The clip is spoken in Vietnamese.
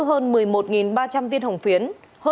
hơn một mươi một ba trăm linh tiên hồng phiến